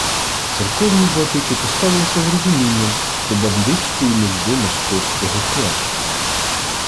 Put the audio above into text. Церковні владики поставилися з розумінням до бандитської нужди московського князя